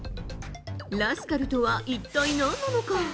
ラスカルとは一体何なのか。